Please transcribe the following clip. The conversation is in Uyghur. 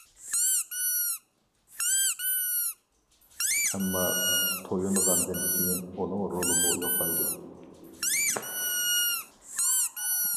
ئەمما تويۇنغاندىن كېيىن، ئۇنىڭ رولىمۇ يوقايدۇ.